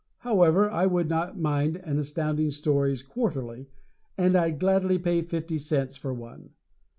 However, I would not mind an Astounding Stories quarterly, and I'd gladly pay fifty cents for one.